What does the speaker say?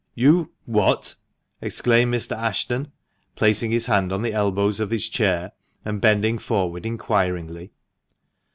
" You — what ?" exclaimed Mr. Ashton, placing his hand on the elbows of his chair, and bending forward inquiringly.